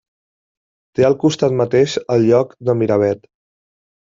Té al costat mateix el lloc de Miravet.